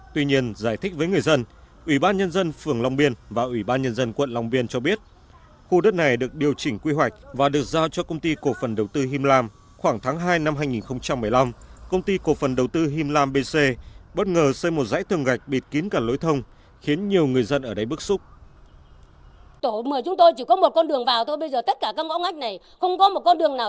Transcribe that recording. tuy nhiên giải thích với các bác sĩ các bác sĩ các bác sĩ các bác sĩ các bác sĩ các bác sĩ các bác sĩ các bác sĩ